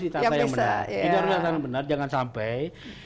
ditata yang benar jangan sampai